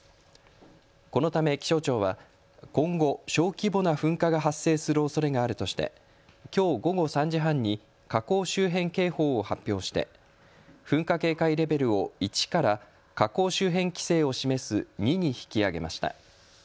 このため気象庁は今後、小規模な噴火が発生するおそれがあるとしてきょう午後３時半に火口周辺警報を発表して噴火警戒レベルを１から火口周辺規制を示す２に引き上げました。